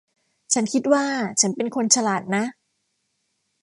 ฉันคิดว่าฉันเป็นคนฉลาดนะ